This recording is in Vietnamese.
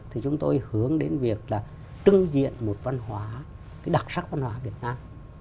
thì chúng tôi hướng đến việc trưng diện một văn hóa đặc sắc văn hóa việt nam